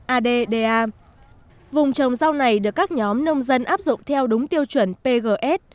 adda vùng trồng rau này được các nhóm nông dân áp dụng theo đúng tiêu chuẩn pgs